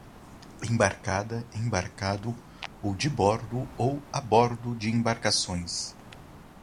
Embarcada, embarcado ou de bordo ou a bordo de embarcações